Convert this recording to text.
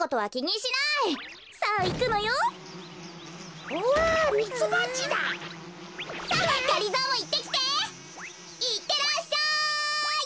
いってらっしゃい！